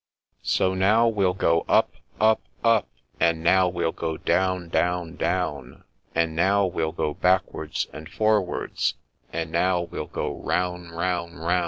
So now we'll go up, up, up, And now we'll go down, down, down, And now we'll go backwards and forwards, And now we'll go roun', roun', roun'.'